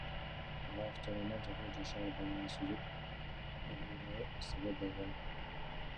Ага автоунаа тогуз жашар баланы сүзүп өлтүргөнү себеп болгон.